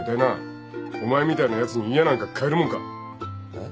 えっ？